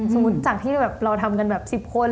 สมมติจากที่แบบเราทำกันแบบ๑๐คน